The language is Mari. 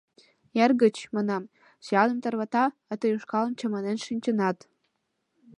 Эргыч, — манам, — сӱаным тарвата, а тый ушкалым чаманен шинчынат.